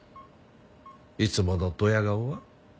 いつものドヤ顔は？